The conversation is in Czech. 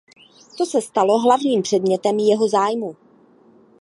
To se stalo hlavním předmětem jeho zájmu.